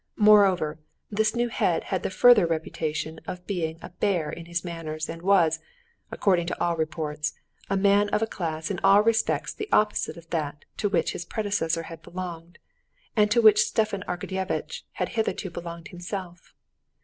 Moreover, this new head had the further reputation of being a bear in his manners, and was, according to all reports, a man of a class in all respects the opposite of that to which his predecessor had belonged, and to which Stepan Arkadyevitch had hitherto belonged himself.